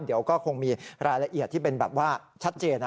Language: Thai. เดี๋ยวก็คงมีรายละเอียดที่เป็นแบบว่าชัดเจน